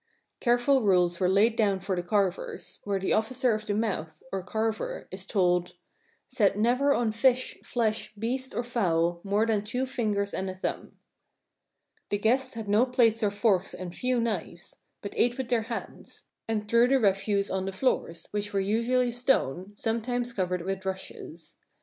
Careful rules were laid down for the carvers, where the Officer of the Mouth, or carver, is told: "Set never on fish, flesh, beast, or fowl more than two fingers and a thumb." The guests had no plates or forks and few knives, but ate with their hands, and threw the refuse on the floors, which were usually stone, sometimes covered with rushes.